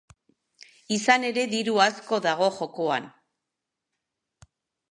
Izan ere, diru asko dago jokoan.